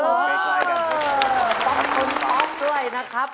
ป๊อปชนป๊อปด้วยนะครับ